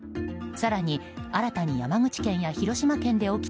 更に、新たに山口県や広島県で起きた